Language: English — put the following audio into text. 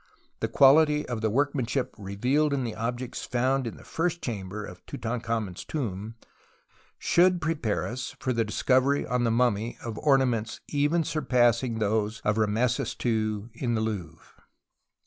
The quality of the workmanship revealed in the objects found in the first chamber of Tutan khamen's tomb should prepare us for the dis covery on the mummy of ornaments even surpassing those of Rameses II in the I^ouvre (see Maspero, Egfiptian Art).